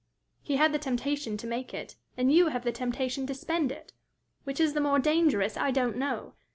"He had the temptation to make it, and you have the temptation to spend it: which is the more dangerous, I don't know.